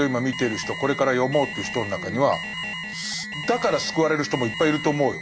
これから読もうという人の中にはだから救われる人もいっぱいいると思うよ。